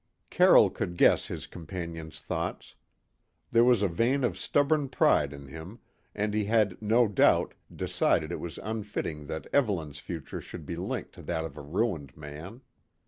Carroll could guess his companion's thoughts. There was a vein of stubborn pride in him, and he had, no doubt, decided it was unfitting that Evelyn's future should be linked to that of a ruined man.